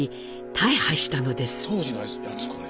当時のやつこれ。